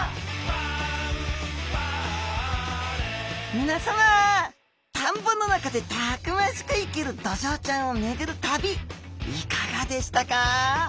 皆さま田んぼの中でたくましく生きるドジョウちゃんを巡る旅いかがでしたか？